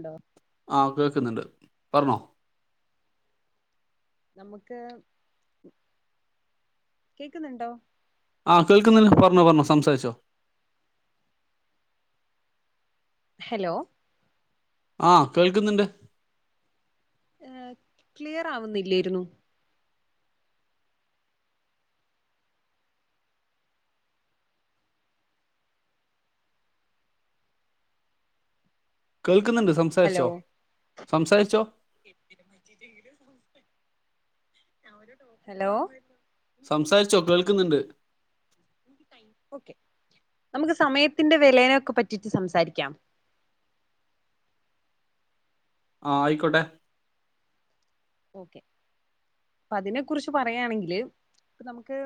ണ്ടോ ആ കേക്കുന്നുണ്ട് പറഞ്ഞോ നമുക്ക് കേക്കുന്നുണ്ടോ ആ കേൾക്കുന്നില്ല പറഞ്ഞോ പറഞ്ഞോ സംസാരിച്ചോ ഹലോ ആഹ കേൾക്കുന്നുണ്ട് ഏർ ക്ലിയർ ആവുന്നില്ലായിരുന്നു കേൾക്കുന്നുണ്ട് ഹലോ സംസാരിച്ചോ സംസാരിച്ചോ ഹലോ സംസാരിച്ചൊ കേൾക്കുന്നുണ്ട് ഓക്കെ നമുക്ക് സമയത്തിന്റെ വിലയെ പറ്റിട്ട് സംസാരിക്കാം ആഹ ആയിക്കോട്ടെ ഓക്കെ അ അതിനെ കുറിച്ച് പറയായാണെങ്കില് നമുക്ക്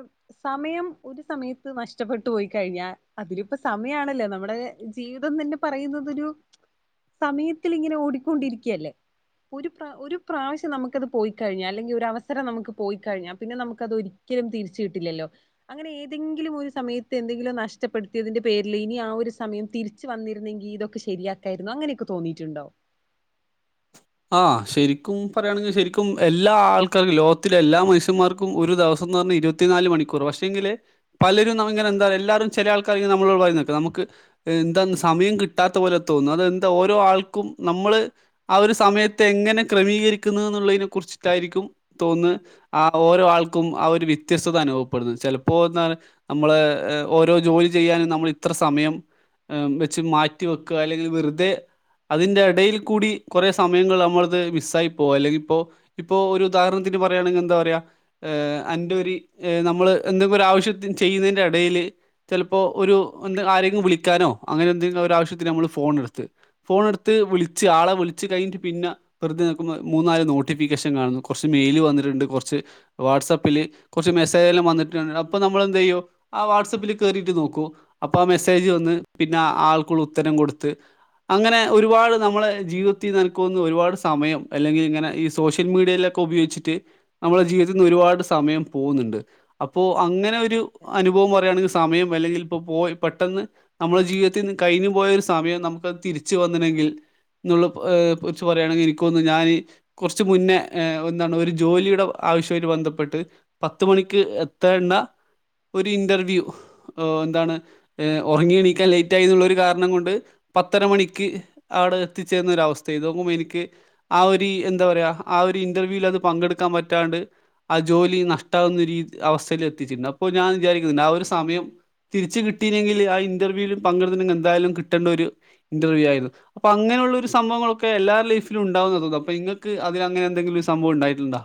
സമയം ഒരു സമയത്ത് നഷ്ടപ്പെട്ടു പോയി കഴിഞ്ഞാൽ അതില ഇപ്പോ സമയണല്ലോ നമ്മുടെ ജീവിതം തന്നെ പറയുന്നതൊരു സമയത്തിൽ ഇങ്ങനെ ഓടിക്കൊണ്ടിരിക്കല്ലേ ഒരു പ്ര ഒരു പ്രാവശ്യം നമുക്ക് പോയി കഴി അല്ലെങ്കിൽ ഒരു അവസരം നമുക്ക് പോയി കഴിഞ്ഞാൽ പിന്നെ നമുക്ക് അത് ഒരിക്കലും തിരിച്ച് കിട്ടില്ലലോ അങ്ങനെ ഏതെങ്കിലും ഒരു സമയത്ത് എന്തെങ്കിലും നഷ്ടപ്പെടുത്തിയതിന്റെ പേരില് ഇനി ആ ഒരു സമയം തിരിച്ചു വന്നിരുന്നെങ്കിൽ ഇതൊക്കെ ശരിയാക്കായിരുന്നു അങ്ങനെയൊക്കെ തോന്നിട്ടുണ്ടോ ആ ശരിക്കും പറയുകയാണെങ്കിൽ ശരിക്കും എല്ലാ ആൾക്കാർക്കും ലോകത്തിലെ എല്ലാ മനുഷ്യന്മാർക്കും ഒരു ദിവസം പറഞ്ഞാൽ ഇരുപത്തി നാല് മണിക്കൂർ പക്ഷെ എങ്കില് പലരും അങ്ങെന്താ എല്ലാവും ചില ആൾക്കാെ നമ്മോ പറയ നമുക്ക് എന്താ സമയം കിട്ടാത്ത പോലെ തോന്നുന്നു അത് എന്തോ ഓരോ ആൾക്കും നമ്മള് ആ ഒരു സമയത്ത് എങ്ങനെ ക്രമീകരിക്കുന്നത് എന്നുള്ളതിനെ കുറിച്ചിട്ടായിരിക്കും തോന്നുന്നത് ആ ഓരോ ആൾക്കും ആ ഒരു വ്യത്യസ്തത അനുഭവപ്പെടുന്നു ചിലപ്പോ എ നമ്മള് ഓരോ ജോലി ചെയ്യാനും നമ്മൾ ഇത്ര സമയം വെച്ച് മാറ്റി വെക്കുക അല്ലെങ്കിൽ വെറുതെ അതിന്റെ ഇടയിൽ കൂടി കുറെ സമയങ്ങൾ നമ്മളത് മിസ് ആയി പോകും അല്ലെങ്കിൽ ഇപ്പോ ഇപ്പോ ഒരു ഉദാഹരണത്തിന് പറയുകയാണെങ്കിൽ എന്താ പറയാ അന്റെ ഒരു നമ്മള് എന്തെങ്കിലും ഒരു ആവശ്യ ചെയ്യുന്നതിന്റെ ഇടയിൽ ചിലപ്പോ ഒരു ആരെകിലും വിളിക്കാനോ എെിലുംശ്യമ്മ ഫോ എടുത്ത് ഫോണ എടുത്ത് വിളച്ച് ആളെ വി കഴിഞ്ഞ പിന്ന വെറുതെ നോക്കുമ്പോ മൂന്ന നോട്ടിഫിക്കേഷൻ കാണുന്നു മെയിൽ വിട്ടുണ്ട് കുറച്ചു കുറ വാട്സാപ്പിൽ കുറച്ച് മെസ്സേജ് വന്നിട്ട് ഉണ്ടോ അപ്പൊ നന്നായി എന്ത് ചെയ്യും ആ വാട്സാപ്പിൽ കേറിട്ട് നോക്കും അ മെസ്സേജ് വന്ന് പിന്നെ ആൾക്കുള്ള ഉത്തരം കൊടുത്ത് അങ്ങനെ ഒരുപാട് നമ്മളെ ജീവിത നിൽക്കുന്ന ഒരുപാട് സമയം അല്ലെങ്കിൽ ഇങ്ങനെ ഈ സോഷ്യൽ മീഡിയയിലൊക്കെ ഉപയോഗിച്ചിട്ട് നമ്മുടെ ജീവിതത്തി ഒരുപാട് ഒരുപാട് സമയം പോകുന്നുണ്ട് അപ്പോൾ അങ്ങനെ ഒരു അനുഭവം പറയുകയാണെങ്കിൽ സമയം അല്ലെങ്കിൽ ഇപ്പോ പോയി പെട്ടെന്ന് നമ്മുടെ ജീവിതത്തിൽ കഴിഞ്ഞു പോയ ഒരു സമയം നമുക്ക് അത് തിരിച്ചു വന്നില്ലെങ്കിൽ നുള്ള കുറിച്ച് പറയാണെങ്കിൽ എനിക്കൊന്നുന്നു ഞാൻ കുറച്ച് മുന്നേ എന്താണ് ഒരു ജോലിയുടെ ആവശ്യമായി ബന്ധപ്പെട്ട് പത്ത് മണിക്ക് എത്തേണ്ട ഒരു ഇന്റർവ്യൂ എന്താണ് ഉറങ്ങി എണീക്കാൻ ലേറ്റ് ആയി എന്നുള്ള ഒരു കാരണം കൊണ്ട് പത്തര മണിക്ക് അവിടെ എത്തി ചെയ്യുന്നൊരവസ്ഥ ഇത് നോക്കുമ്പോ എനിക്ക് ആ ഒരു എന്താ പറയ ആ ഒരു ഇൻറർവ്യൂവിൽ അത് പങ്കെടുക്കാൻ പറ്റാണ്ട് ആ ജോലി നഷ്ടാവുന്ന അവസ്ഥയിൽ എത്തിച്ചിട്ടുണ്ട് അപ്പൊ ഞാൻ വിചാരിക്കുന്നുണ്ട് ആ ഒരു സമയം തിരിച്ച കിട്ടയില്ലെങ്കിൽ ആ ഇന്റർവ്യൂൽ പങ്കെടുന്നെങ്കിൽ എന്തായാലും കിട്ടേണ്ട ഒരു ഇന്റർവ്യൂ ആയിരുന്നു അപ്പൊ അങ്ങനെയുള്ള ഒരു സംഭവങ്ങളൊക്കെ എല്ലാ ലൈഫിലും ഉണ്ടാവും എന്ന് തോന്നുന്നു അപ്പൊ നിങ്ങൾക്ക് അതിൽ അങ്ങനെ എന്തെങ്കിലും ഒരു സംഭം ഉണ്ടായിട്ടുണ്ടോ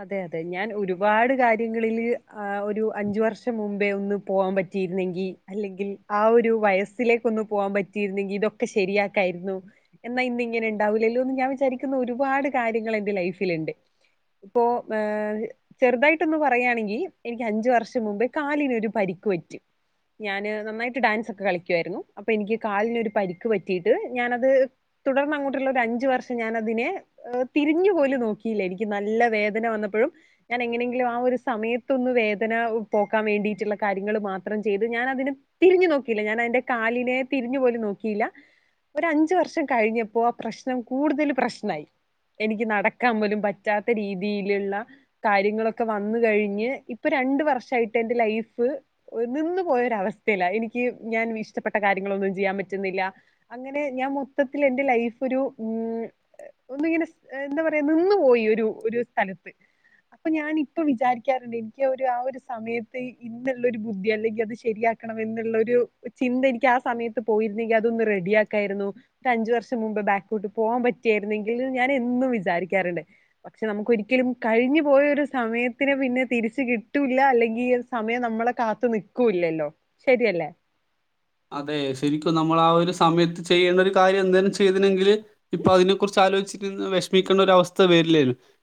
അതെ അതെ ഞാൻ ഒരുപാട് കാര്യങ്ങളില് ആ ഒരു അഞ്ചു വർഷം മുമ്പേ ഒന്ന് പോകാൻ പറ്റിയിരുന്നെങ്കിൽ ആ ഒരു വയസ്സിലേക്ക് ഒന്നു പോകാൻ പറ്റിയിരുന്നെങ്കി ഇതൊക്കെ ശരിയാക്കായിരുന്നു എന്നാ ഇന്ന ഇങ്ങനെ ഉണ്ടാവില്ലല്ലോന്ന് ഞാൻ വിചാരിക്കുന്ന ഒരുപാട് കാര്യങ്ങൾ എന്റെ ലൈഫിൽ ഉണ്ട് ഇപ്പോ ചെറുതായിട്ടൊന്ന് പറയുകയാണെങ്കിൽ എനിക്ക് അഞ്ചു വർഷം മുമ്പേ കാലിനൊരു പരിക്ക് പറ്റി [unintelligible] ഞാന് നന്നായിട്ട് ഡാൻസ് ഒക്കെ കളിക്കുായിരുന്നു അപ്പൊ എനിക്ക് കാലിനൊരു ഒരു പരിക്ക് പറ്റിട്ട് ഞാനത് തുടർന്ന് അങ്ങോട്ടുള്ള ഒരു അഞ്ചു വർഷം ഞാൻ അതിനെ തിരിഞ്ഞു പോലും നോക്കിയില്ല എനിക്ക് നല്ല വേദന വന്നപ്പോഴും ഞാൻ എങ്ങനെങ്കിലും ആ ഒരു സമയത്തൊന്ന് വേദന പോക്കാൻ വേണ്ടിയിട്ടുള്ള കാര്യ മാത്രം ചെയ്ത് ഞാൻ അതിനെ തിരിഞ്ഞു നോക്കിയില്ല ഞാൻ അതിന്റെ കാലിനെ തിരിഞ്ഞു പോലും നോക്കിയില്ല ഒരു അഞ്ചു വർഷം കഴിഞ്ഞപ്പോ ആ പ്രശ്നം കൂടുതൽ പ്രശ്നമായി എനിക്ക് നടക്കാൻ പോലും പറ്റാത്ത രീതിയിലുള്ള കാര്യങ്ങളൊക്കെ വന്ന കഴിഞ്ഞ് ഇപ്പൊ രണ്ട വർഷമായിട്ട് എന്റെ ലൈഫ് നിന്നു പോയൊരവസ്ഥല്ല എനിക്ക് ഞാൻ ഇഷ്ടപ്പെട്ട കാര്യങ്ങളൊന്നും ചെയ്യാൻ പറ്റുന്നില്ല അങ്ങനെ ഞാൻ മൊത്തത്തിൽ എന്റെ ലൈഫ് ഒരു ഒന്ന ഇങ്ങനെ എന്താ പറയാ നിന്നു പോയി ഒരു ഒരു സ്ഥലത്ത് അപ്പൊ ഞാാനിപ്പ വിചാരിക്കാറുണ്ട് എനിക്ക് ആ ഒരു സമയത്ത് ഇന്നുള്ള ഒരു ബുദ്ധി അല്ലെങ്കിൽ അത് ശരിയാക്കി ുള്ളരു ചിന്ത എനിക്ക് ആ സമയത്ത് പോയിരുന്നെങ്കി അതൊന്ന് റെഡിയ ആക്കായിരുന്നു ട്ട ഒരു അഞ്ചു വർഷം മുമ്പ് ബാക്കോട്ട് പോകാൻ പറ്റിയായിരുന്നെങ്കിൽ ഞാൻ എന്നും വിചാരിക്കാറുണ്ട് പക്ഷെ നമുക്ക്ൊരിക്കലും കഴിഞ്ഞു പോയ ഒരു സമയത്തിന് പിന്നെ തിരിച്ച കിട്ടൂല്ല അല്ലെങ്കിൽ ഈ സമയം നമ്മ നമ്മളെ കാത്തു നിക്കൂല്ലല്ലോ ശരിയല്ലേ അതെ ശരിക്കും നമ്മൾ ആ ഒരു സമയത്ത് ചെയ്യേണ്ട ഒരു കാര്യം എന്തേും ചെയ്തുന്നെങ്കിൽ ഇപ്പൊ അതിനെ കുുറിച്ച് ആലോചിച്ചു വിഷമിക്കേണ്ടഅവസ്ഥ വരില്ല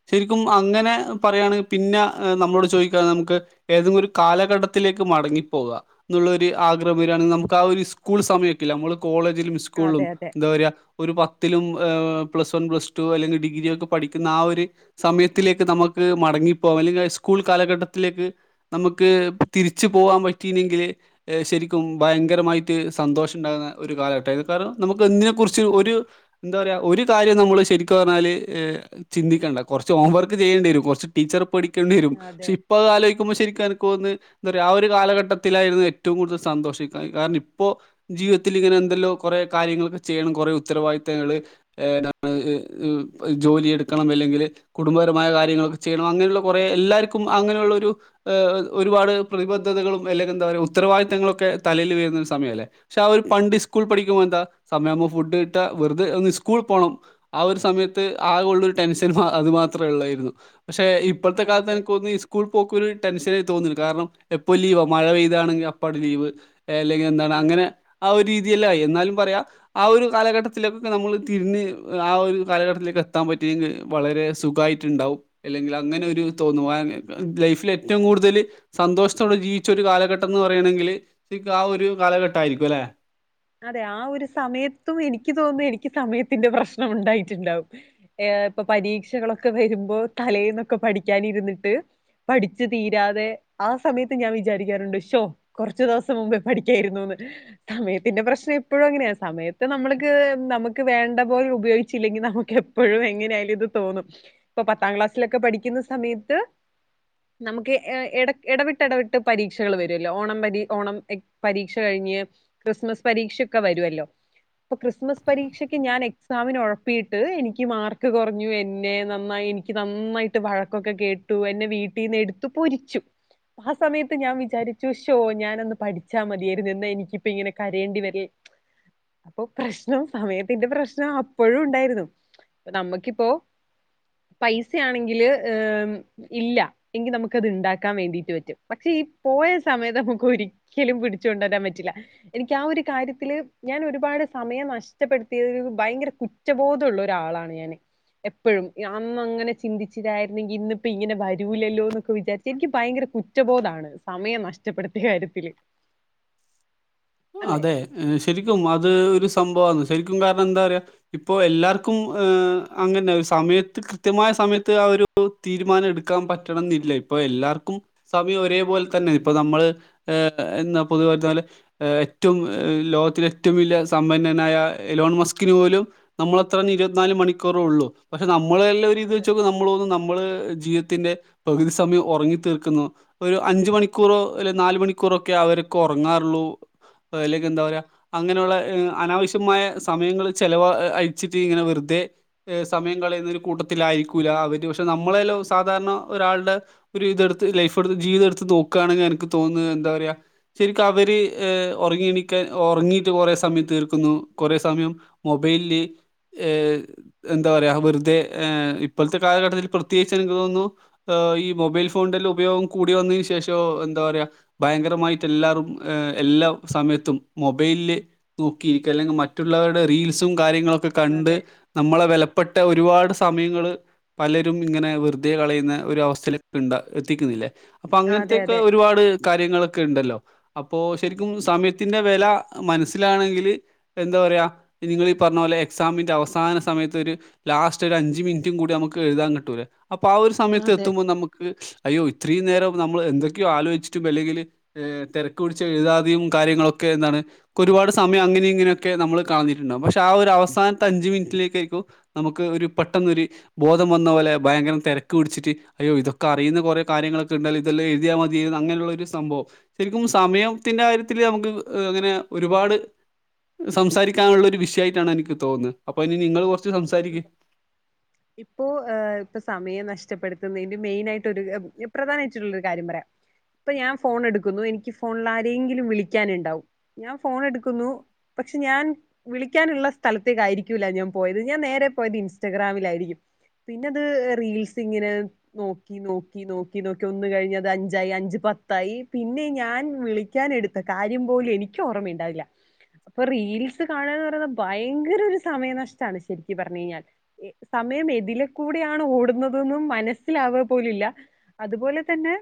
ശരിക്കും അങ്ങനെ പറയുകയാണെങ്കിൽ പിന്നെ നമ്മ ചോദിക്കാ നമുക്ക് ഏതങ്കിലും കാലഘട്ടത്തിലേക്ക് മടങ്ങിപ്പോകാം എന്നുള്ള ഒരു ആഗ്രഹം വരാണെിൽ നമ ആ ഒരു സ്കൂൾ സമയക്ക നമ്മള് കോളേജിലും അതെ സ്കൂളിലും അതെ എന്താ പറയുക ഒരു പത്ത് ത്തിലും പ്ലസ് വൺ പ്ലസ് ടു അല്ലെങ്കിൽ ഡിഗ്രി ഒക്കെ പഠിക്കുന്ന ആ ഒരു സമയത്തിലേക്ക് നമുക്ക് മടങ്ങ ഇറങ്ങിപ്പോക അല്ലെങ്കിൽ സ്കൂൾ കാലഘട്ടത്തിലേക്ക് നമുക്ക് തിരിച്ചു പോകൻ പറ്റിെങ്കിൽ ശരിക്കും ഭയങ്ക ഭയങ്കരമായിട്ട് സന്തോഷം ഉണ്ടാകുന്ന ഒരു കാലഘട്ട കാരണം നമുക്ക് ഇതിനെ കുുറിച്ച് ഒരു അതെ എന്താ പറയുക ഒരു കാര്യം നമ്മൾ ശരിക്കു പറഞ്ഞാൽ ചിന്തിക്കേണ്ട കുറച്ച് ഹോംവർക്ക് ചെയ്യേണ്ടി വരും കുറച്ച് ടീച്ചർ പഠിക്കേി വരും പെ അതെ ഇപ്പൊത് ആലോചിക്കുമ്പോ ശരിക്ക എന്ത പറ ആ ഒരു കാലഘട്ടത്തിലായിരുന്നു ഏറ്റവും കൂടുതൽ സന്തോഷിക്ക കാരണം ഇപ്പോ ജീവിതത്തിൽ ഇങ്ങനെ എന്തല്ലോ കുറേ കാര്യങ്ങളൾൊക്കെ ചെയ്യണം കുറേ ഉത്തരവാദിത്തങ്ങൾ ജോലി എടുക്കണം അല്ലെങ്കിൽ കുടുംബപരമായ കാര്യങ്ങളൊക്കെ ചെയ്യണം അങ്ങനെയുള്ള കുറെ എല്ലാ എല്ലാർക്കും അങ്ങനെയുള്ള ഒരു ഒരുപാട് പ്രതിബദ്ധതകളും അല്ലെങ്കിൽ എന്താ പറയുക ഉത്തരവാദിത്തങ്ങളൊക്കെ തലയിൽ വീയുന്ന ഒരു സമയ അല്ലേ പക്ഷെ ഒരു പണ്ട് സ്കൂൾ പഠിക്കുമ്പോൾ എന്താ സമയാകുമ്പോൾ ഫുഡ് കിട്ടാ വെറുതഒന്ന് സ്കൂൾ പോണം ആ ഒരു സമയത്ത് ആകുള്ള ഒരു ടെൻഷൻ അത് മാത്രമേ ഉള്ളായിരുന്നു പക്ഷെ ഇപ്പോഴത്തെ കാലത്ത് അതെ എനിക്ക് തന്ന ഈ സ്കൂൾ പോക്ക ഒരു ടെൻഷനായി തോന്നില്ല കാരണം എപ്പോൊ ലീവ മഴ പെയ്താണെങ്കിൽ അപ്പട്ട് ലീവ് അല്ലെങ്കിൽ എന്താണ് അതെ അങ്ങനെ ആ ഒരു രീതിയല്ല ആയി എന്നാലും പറയാം ആ ഒരു കാലഘട്ടത്തിലേക്കൊക്കെ നമ്മൾ തിരിഞ് ആ ഒരു കാലഘട്ടത്തിലേക്ക് എത്താൻ പറ്റിയെങ്കിൽ വളരെ സുഖായിട്ടുണ്ടാവും അല്ലെങ്കിൽ അങ്ങനെ ഒരു തോന്നു ലൈഫിൽ ഏറ്റവും കൂടുതൽ സന്തോഷത്തോടെ ചീച്ച ഒരു കാലഘട്ടംന്ന് പറയണെങ്കില് ആ ഒരു കാലഘട്ട ആയിരിക്കും അല്ലെ അതെ ആ ഒരു സമയത്തും എനിക്ക് തോന്നുന്ന എനിക്ക് സമയത്തിന്റെ പ്രശ്നം ഉണ്ടായിട്ടുണ്ടാവും ഇൊ പരീക്ഷകളൊക്കെ വരുമ്പോ തലേന്നൊക്കെ പഠിക്കാനിരുന്നിട്ട് പഠിച്ചു തീരാതെ ആ സമയത്ത് ഞാൻ വിചാരിക്കാറുണ്ട് ഷോ കുറച്ചു ദിവസം മുമ്പേ പഠിക്കായിരുന്നുന്ന് തമ പിന്നെ പ്രശ്നം എപ്പോഴും അങ്ങനെയാ സമയത്ത് നമ്മൾക്ക് നമുക്ക് വേണ്ട പോലെ ഉപയോഗിച്ചില്ലെങ്കിൽ നമുക്ക് എപ്പോഴും എങ്ങനെയ ആാലും ഇത് തോന്നും ഇപ്പൊ പത്താം ക്ലാസ്സിലൊക്കെ പഠിക്കുന്ന സമയത്ത് നമുക്ക്ട ഇടവിട്ട് ഇടവിട്ട് പരീക്ഷകൾ വരുമല്ലോ ഓണം ഓണം പരീക്ഷ കഴി ക്രിസ്മസ് പരീക്ഷൊക്കെ വരുല്ലോ ഇപ്പൊ ക്രിസ്മസ് പരീക്ഷക്ക് ഞാൻ എക്സാമിന് ഉഴപ്പിട്ട് എനിക്ക് മാർക്ക് കുറഞ്ഞു എന്നെ നന്നായി എനിക്ക് നന്നായിട്ട് വഴക്കൊക്കെ കേട്ടു എന്നെ വീട്ടിന്ന് എടുത്തു പൊരിച്ചു ആ സമയത്ത് ഞാൻ വിചാരിച്ചുഷോ ഞാനൻന്ന് പഠിച്ചാൽ മതിയായിരുന്നു നിന്ന് എനിക്കിപ്പ ഇങ്ങനെ കരയേണ്ടി വരില്ലേ അപ്പൊ പ്രശ്നം സമയത്തിന്റെ പ്രശ്നം അപ്പോഴും ഉണ്ടായിരുന്നു നമ്മക്കിപ്പോ പൈസ ആണെങ്കില് ഇല്ല എങ്കിൽ നമുക്ക്ത് ഉണ്ടാക്കാൻ വേണ്ടിട്ട് പറ്റും പക്ഷേ ഈ പോയ സമയത്ത് നമുക്ക് ഒരിക്കലും പിടിച്ചു കൊണ്ട വരാൻ പറ്റില്ല എനിക്ക് ആ ഒരു കാര്യത്തില്ൽ ഞാൻ ഒരുപാട് സമയം നഷ്ടപ്പെടുത്തിയ ഭയങ്കര കുറ്റബോധമുള്ള ഒരാള ണ ഞന എപ്പോഴും അന്ന് അങ്ങനെ ചിന്തിച്ചതായിുന്നെങ്കിൽ ഇന്നിപ്പ ഇങ്ങനെ വരൂലല്ലോ എന്നൊക്കെ വിചാരിച്ച എനിക്ക് ഭയങ്കര കുറ്റബോധമാണ് സമയം നഷ്ടപ്പെടുത്തിയ കാര്യത്തില് അല്ലെ? അതെ ശരിക്കും അത് ഒരു സംഭവന്ന് ശും കാരണം എന്താ പറയാ ഇപ്പോ എല്ലാർക്കും് അങ്ങനെ സമയത്ത് കൃത്യമായ സമയത്ത് ഒരു തീരുമാനം എടുക്കാൻ പറ്റണ എന്നില്ല ഇപ്പൊ എല്ലാർക്കും സമയം ഒരേപോലെ തന്നെ ഇപ്പൊ നമ്മള് ഏ എന്നാ പൊതുവായിാല് ഏ ഏറ്റവും ലോകത്തിലെ ഏറ്റവും വലിയ സമ്പന്നനായ എലോൺ മസ്കിന് പോലും നമ്മളത്ര ഇരുപത്തിനാല് മണിക്കറ ഉള്ളൂ പക്ഷെ നമ്മള നല്ല ഒരുീതി അതെ വെച്ച നമ്മ മ്മ ജീവിതത്തിന്റെ പകുതി സമയം ഉറങ്ങി തീർക്കുന്നു ഒരു അഞ്ച മണിക്കൂറോ അല്ലെ നാല മണിക്കൂ റൊക്കെ അവർക്ക് ഉറങ്ങാറുള്ളൂ അല്ലക്ക് എന്താ പറയാ അങ്ങനെയുള്ള അനാവശ്യമായ സമയങ്ങൾ ചെിലവ അഴിച്ചിട്ട് ഇങ്ങനെ വെറതെ സമയം കളയുന്ന ഒരു കൂട്ടത്തിലായിരിക്കൂില്ല അവര് പക്ഷെ നമ്മളെല്ലാം സാധാരണ ഒരാളുടെ ഒരു ഇതെടുത്ത് ലൈഫ്ടുത്ത് ജീവിതം എടുത്ത് നോക്കുകയാണെങ്കിൽ എനിക്ക് തോന്നുന്നു എന്താ പറയാ ശരിക്കും അവര് ഏ ഉറങ്ങിണിക്കാൻ ഉറങ്ങീയിട്ട് കുറെേ സമയം തീർക്കുന്നു കുറെേ സമയം മൊബൈലില് ഏ എന്താ പറയാ വെറുതെ ഇപ്പോഴത്തെ കാലഘട്ടത്തിൽ പ്രത്യേകിച്ച് എനിക്ക് തോന്നുന്നു ഈ മൊബൈൽ ഫോണന്റെ ഉപയോഗം കൂടി വന്നതിനന് ശേഷം എന്താ പറയ ഭയങ്കരമായിട്ട് എല്ലാവരും എല്ലാ സമയത്തും മൊബൈലിൽ നോക്കിയിരിക്കുക അല്ലെങ്കിൽ മറ്റുള്ളവരുടെ റീൽസും കാര്യങ്ങളൊക്കെ കണ്ട് അതെ. നമ്മളെ വിലപ്പെട്ട ഒരുപാട് സമയങ്ങൾ പലരും ഇങ്ങനെ വെറുതെ കളയുന്ന ഒരു അവസ്ഥയിൽ എത്തിയിട്ടില്ലേ അപ്പൊ അതെ അങ്ങനത്തെൊക്കെ അതെ ഒരുപാട് കാര്യങ്ങളൊക്കെ ഉണ്ടല്ലോ അപ്പൊ അതെ ശരിക്കും സമയത്തിന്റെ വില മനസ്സിലാണെങ്കിൽ എന്താ പറയുക നിങ്ങീഈ പറഞ്ഞ പോോലെ എക്സാമിൻ്റെ അവസാന സമയത്തഒരു ലാസ്റ്റ് ഒരു അഞ്ചു മിനിറ്റും കൂടി നമുക്ക് എഴുതാൻ കിട്ടൂലേ അപ്പൊ ആ ഒരു സമയത്ത് അതെ. എത്തുമ്പോൾ നമുക്ക് അയ്യോ ഇത്രയും നേരം നമ്മൾ എന്തൊക്കെയോ ആലോചിച്ചിട്ടും അല്ലെങ്കിൽതിര കുച്ച് എഴുതാതും കയങ്ങളൊക്കെ എന്താണ് ഒരുപാട് സമയംങ്ങന ഇങ്ങനൊക്കെ നമ്മൾ കാണിട്ടുണ്ടകും പക്ഷെ ഒരു അവസാനത്തെ അഞ്ച മിനിറ്റിലേക്ക ആയിരിക്കോ നമുക്ക് ഒരു പെട്ടെന്നൊ ഒരു ബോധം വന്ന പോലെ ഭയങ്കര തിരക്ക് കുടിച്ച് അയോ ഇതൊക്കെ അറുന്ന കുറേ കാര്യങ്ങളൊക്കെ ഉണ്ടാൽ ഇതൊം എഴതിയാൽ മതി അങ്ങനുള്ള ഒരു സംഭവം ശരിക്ക സമയത്തിന്റെറെ കാര്യത്തിൽ നമുക്ക് അങ്ങനെ ഒരുപാട് സംസാരിക്കാനുള്ള ഒരു വിഷയയിട്ടാണ് എനിക്ക് തോന്നുന്നത് അപ്പൊ അതിന് നിങ്ങൾ കുറച്ച് സംസാരിക്ക് ഇപ്പോ ഏ ഇപ്പൊ സമയം നഷ്ട ഇച്ചപ്പെടുത്തുന്നതിന്റെ മെയിൻ ആയിട്ട് ഒരു പ്രധാനമായിട്ടുള്ളൊരു കാര്യം പറയാം ഇപ്പൊ ഞാൻ ഫോൺ എടുക്കുന്നു എനിക്ക് ഫോണിൽ ആരെങ്കിലും വിളിക്കാന ഉണ്ടാവും ഞാൻ ഫോൺ എടുക്കുന്നു പക്ഷെ ഞാൻ വിളിക്കാനുള്ള സ്ഥലത്തേക്ക ആയിരിക്കൂല്ല ഞാൻ പോയത് ഞാൻ നേരെ പോയത് ഇൻസ്റ്റാഗ്രാമിലായിരിക്കും പിന്നെ അത് റീൽസി ഇങ്ങനെ നോക്കി നോക്കി നോക്കി നോക്കി ഒന്ന് കഴിഞ്ഞ അത് അഞ്ചായി അഞ്ച പത്തായി പിന്നെ ഞാൻ വിളിക്കൻ എടുത്ത കാര്യം പോലും എനിക്കും ഓർമ്മുണ്ടാവില്ല അപ്പൊ റീൽസ് കാണുകന്ന് പറയ ഭയങ്കര ഒരു സമയ നഷ്ടമാണ് ശരിക്ക പറഞ്ഞു കഴിഞ്ഞാൽ സമയം എതിലെക്കൂടെയാണ് ഓടുന്നതും മനസ്സിലാവുക പോലില്ല അതുപോലെ തന്നെ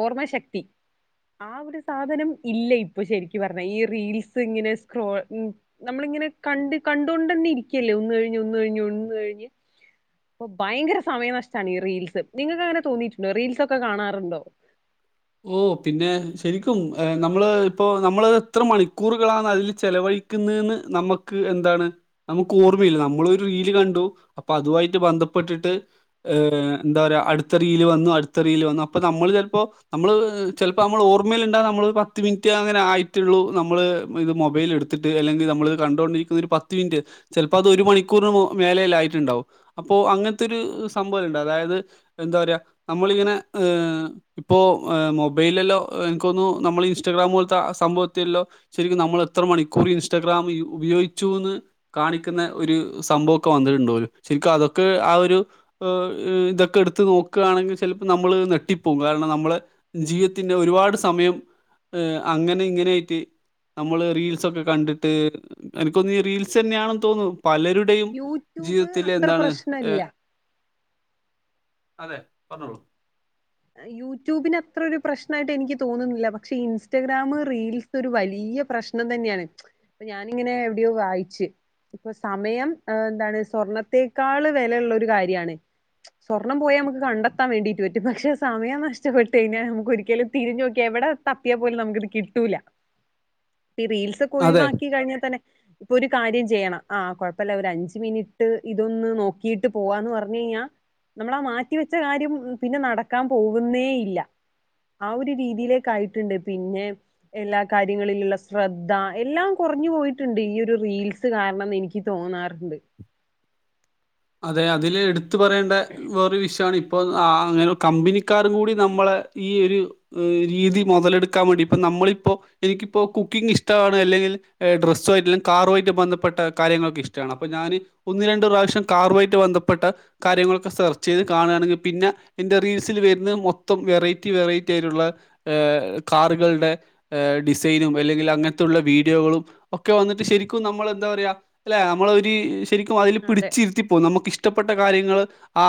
ഓർമ്മ ശക്തി ആ ഒരു ഒരു സാധനം ഇല്ല ഇപ്പൊ ശരിക്ക പറഞ്ഞാ ഈ റീൽസ് ഇങ്ങനെക്രോ നമ്മള ഇങ്ങനെ കണ്ട് കണ്ടുകൊണ്ട് തന്നെ ഇരിക്കല്ലേ ഒന്നുകഴിഞ്ഞ് ഒന്ന കഴിഞ്ഞ് ഒന്ന കഴിഞ്ഞ് അപ്പൊ ഭയങ്കര സമയനഷ്ടമാണ് ഈ റീൽസ് നിങ്ങക്ക് അങ്ങനെ തോന്നിയിട്ടുണ്ടോ റീൽസ് ഒക്കെ കാണാറുണ്ടോ ഓ പിന്നെ ശരിക്കും നമ്മള് ഇപ്പോ നമ്മൾ എത്ര മണിക്കൂറുകളാ അതിൽ ചെലവഴി നക്ക് എന്താണ് നമുക്ക് ഓർമ്മയില്ല നമ്മളൊരു റീൽ കണ്ടു അപ്പൊ അതുമായിട്ട് ബന്ധപ്പെട്ടിട്ട് എന്താ പറയാ അടുത്ത റീൽ വന്നു അടുത്ത റീൽ വന്നു അപ്പൊ നമ്മള് ചിലപ്പോ നമ്മള് ചിലപ്പോൾ നമ്മൾ ഓർമ്മയിൽഉണ്ടാ നമ്മള് പത്ത് മിനിറ്റ് അങ്ങനെ ആയിട്ടുള്ളൂ നമ്മള് ഇത് മൊബൈൽ എടുത്ത് ട്ട് അല്ലെങ്കിൽ നമ്മള് കണ്ടൊണ്ടിരിക്കുന്ന ഒരു പത്ത് മിനിറ്റ് ചിലപ്പോ അത് ഒരു മണിക്കൂറി മേലല്ലായിട്ടുണ്ടാവും ഇപ്പോൊ അങ്ങനത്തെരു സംഭവംഇണ്ട് അതായത് എന്താ പറയാ നമ്മളിങ്ങനെ ഇപ്പോമൊബൈലല്ലോ എനിക്ക തോന്നുന്നു നമ്മൾ ഇൻസ്റ്റാഗ്രാം പോലത്തെ ആ സംഭവത്തില്ലോ ശരിക്കും നമ്മൾ എത്ര മണിക്കൂർ ഇൻസ്റ്റാഗ്രാം ഉപയോഗിച്ചുന്ന് കാണിക്കുന്ന ഒരു സംഭവ ഒക്കെ വന്നിട്ടുണ്ടല ശരിക്ക അതൊക്കെ ആ ഒരു ഇതൊക്കെ എടു നോക്കയാണെങ്കിൽ നമ്മൾ നെട്ടിപ്പോും കാര നമ്മള് ജീവിതത്തിന്റെ ഒരുപാട് സമയം അങ്ങനെ ഇങ്ങനൊയിട്ട് നമ്മള് റീൽസ ഒക്കെ കണ്ടിട്ട് എനിക്കൊന്ന റീൽസ് തന്നെയാണെന്ന് തോന്നുന്നു പലരുടെയും യൂട്യൂബ് ജീവിതത്തി അത്ര എന്താണ് ഏ പ്രശ്നല്ല അതെ പറഞ്ഞോളു യൂട്യൂബി അത്ര ഒരു പ്രശ്നയിട്ട് എനിക്ക് തോന്നുന്നില്ല പക്ഷെ ഇൻസ്റ്റാഗ്രാാം റീൽസ് ഒരു വലിയ വലിയ പ്രശ്നം തന്നെയാണ് അപ്പൊ ഞാനിങ്ങനെ എവിടെയോ വായിച്ച് ഇപ്പൊ സമയം എന്താണ് സ്വർണത്തേക്കാള് വിലള്ള ഒരു കാര്യണ് സ്വർണം പോയാൽ നമക്ക് കണ്ടെത്താൻ വേണ്ടീട്ട് പറ്റും പക്ഷെ സമയം നഷ്ടപ്പെട്ട് കഴിാൽ നമുക്ക് ഒരിക്കലും തിരിഞ്ഞു നോക്കിയാ എവിടെ തപ്പിയ പോലും നമുക്കിത് കിട്ടൂല റീൽസ് ഒക്കെ അതെ ഒഴിവാക്കി കഴിഞ്ഞ തന്നെ ഇപ്പൊ ഒരു കാര്യം ചെയ്യണം ആഹ കൊഴപ്പല്ല ഒരു അഞ്ച് മിനിറ്റ് ഇതൊന്ന് നോക്കിട്ട് പോവാന്ന് പറഞ്ഞ നമ്മളാ മാറ്റിവെച്ച കാര്യം പിന്നെ നടക്കാൻ പോകുന്നേ ഇല്ല ആ ഒരു രീതിയിലേക്ക ആയിട്ടുണ്ട് പിന്നെ എല്ലാ കാര്യങ്ങളിലുള്ള ശ്രദ്ധ എല്ലാം കുറ കുറഞ്ഞു പോയിട്ടുണ്ട് ഈ ഒരു റീൽസ് കാരണംന്ന് എനിക്ക് തോന്നാറുണ്ട് അതെ അതില് എടുത്ത് പറയേണ്ട വേറെ ഒരു വിഷയാണ് ഇപ്പൊ അങ്ങനെ കമ്പനിക്കാരും കൂടി നമ്മളെ ഈ ഒരു രീതി മുതലെടുക്കാൻ വേണ്ടി ഇപ്പ നമ്മ നമ്മളിപ്പോ എനിക്കിപ്പോ കുക്കിംഗ് ഇഷ്ടമാണ് അല്ലെങ്കിൽ ഏ ഡ്രസ്സുമായിട്ട് അല്ലെങ്കിൽ കാറുമായിട്ട് ബന്ധപ്പെട്ട കാര്യങ്ങളൊക്കെ ഇഷ്ടമാണ് അപ്പ ഞാന് ഒന്ന് രണ്ട് പ്രാവശ്യം കാറുമായിട്ട് ബന്ധപ്പെട്ട കാര്യങ്ങളൊക്കെ സെർച്ച് ചെയ്ത് കാണുകയാണെങ്കിൽ പിന്നെ എൻ്റെ റീൽസിൽ വരുന്നത് മൊത്തം വെറൈറ്റി വെറൈറ്റി ആയിട്ടുള്ള ഏഹ് കാറുകളുടെ ഡിസൈനും ഏഹ് അല്ലെങ്കിൽ അങ്ങനത്തുള്ള വീഡിയോകളും ഒക്കെ വന്നിട്ട് ശരിക്കും നമ്മൾ എന്താ പറയാ അല്ലെ നമ്മള ശരിക്കും അതിൽ പിടിച്ച് നമുക്ക് ഇഷ്ടപ്പെട്ട കാര്യങ്ങള് ആ